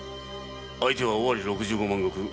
相手は尾張六十五万石。